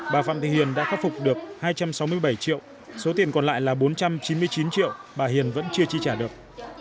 bà phạm thị hiền đã khắc phục được hai trăm sáu mươi bảy triệu số tiền còn lại là bốn trăm chín mươi chín triệu bà hiền vẫn chưa chi trả được